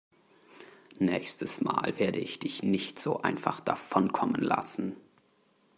Nächstes Mal werde ich dich nicht so einfach davonkommen lassen.